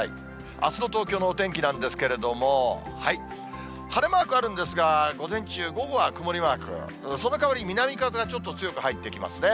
あすの東京のお天気なんですけれども、晴れマークあるんですが、午前中、午後は曇りマーク、そのかわり南風がちょっと強く入ってきますね。